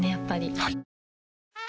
はい。